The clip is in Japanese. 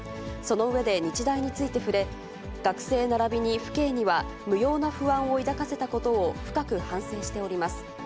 その上で、日大について触れ、学生ならびに父兄には、無用な不安を抱かせたことを深く反省しております。